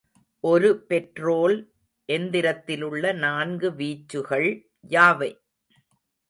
ஒரு பெட்ரோல் எந்திரத்திலுள்ள நான்கு வீச்சுகள் யாவை?